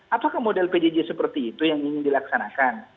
apakah model pjj seperti itu yang ingin dilaksanakan